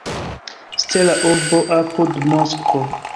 Stela Urbo apud Moskvo.